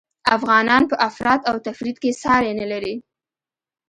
افغانان په افراط او تفریط کي ساری نلري